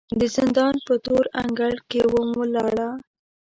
د زندان په تور انګړ کې وم ولاړه